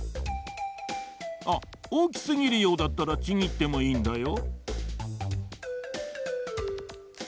あっおおきすぎるようだったらちぎってもいいんだよ。